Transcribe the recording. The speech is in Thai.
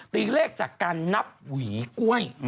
งเลขจากการนับหวีกล้วย